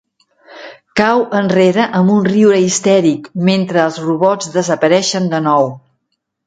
Cau enrere amb un riure histèric mentre els robots desapareixen de nou.